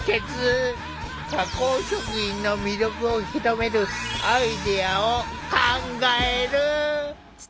加工食品の魅力を広めるアイデアを考える。